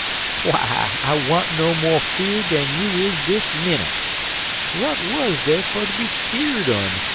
'W'y I want no mo 'feared dan you is dis minnit. W'at wuz dey fer ter be skeered un?'